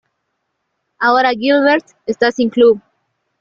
Ahora, Gilbert está sin club.